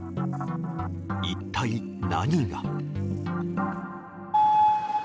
一体何が。